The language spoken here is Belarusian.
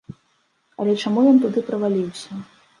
Але чаму ён туды праваліўся?